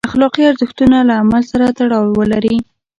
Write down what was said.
اخلاقي ارزښتونه له هر عمل سره تړاو ولري.